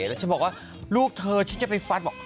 แล้วฉันบอกว่าลูกเธอฉันจะไปฟันบอก